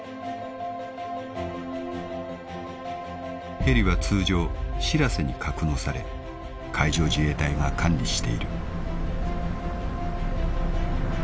［ヘリは通常しらせに格納され海上自衛隊が管理している］